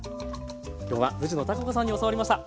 今日は藤野貴子さんに教わりました。